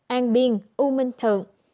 an biên u minh thượng